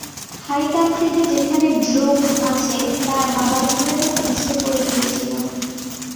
High কান্ট্রিতে যেখানে drove আছে, তোর বাবার ঘোড়াটা পিছলে পড়ে গিয়েছিল।